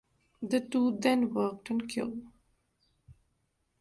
The two then worked on Kyo.